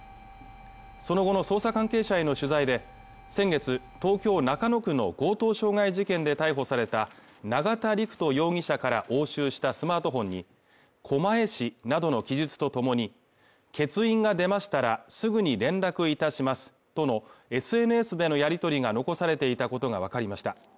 その後の捜査関係者への取材で先月東京中野区の強盗傷害事件で逮捕された永田陸人容疑者から押収したスマートフォンに狛江市などの記述とともに欠員が出ましたらすぐに連絡いたしますとのＳＮＳでのやり取りが残されていたことが分かりました